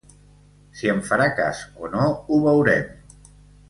Si em farà cas o no, ho veurem.